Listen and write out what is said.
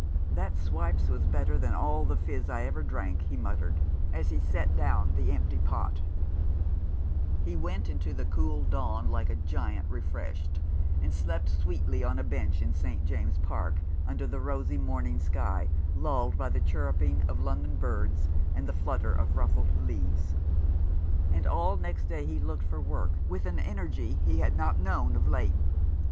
'• That swipes was better than all the fiz I ever drank,"' he muttered, as he set down the empty pot He went into the cool dawn like a giant re freshed, and slept sweetly on a bench in St James's A Fellow feeling. Park, under the rosy morning sky, lulled by the chirruping of London birds, and the flutter of ruffled leaves. And all next day he looked for work with an energy he had not known of late.